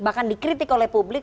bahkan dikritik oleh publik